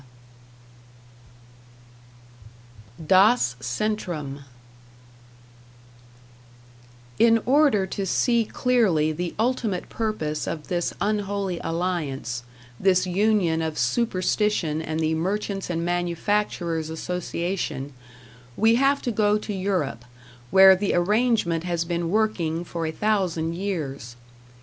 #" #Das Centrum# In order to see clearly the ultimate purpose of this Unholy Alliance, this union of Superstition and the Merchants' and Manufacturers' Association, we have to go to Europe, where the arrangement has been working for a thousand years.